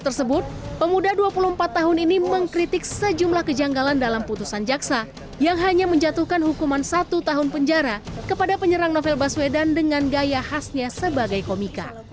tersebut pemuda dua puluh empat tahun ini mengkritik sejumlah kejanggalan dalam putusan jaksa yang hanya menjatuhkan hukuman satu tahun penjara kepada penyerang novel baswedan dengan gaya khasnya sebagai komika